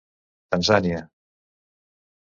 Tanzània.